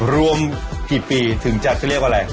รวมที่ปีทืมเกิดที่เรียกว่าอะไร